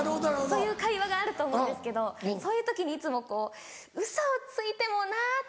そういう会話があると思うんですけどそういう時にいつもこうウソをついてもなと思って。